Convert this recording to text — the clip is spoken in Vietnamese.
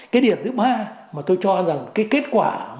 cái điểm thứ ba mà tôi cho rằng cái kết quả